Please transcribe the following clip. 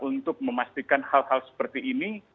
untuk memastikan hal hal seperti ini